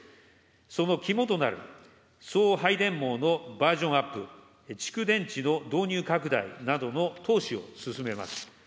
その肝となる送配電網のバージョンアップ、蓄電池の導入拡大などの投資を進めます。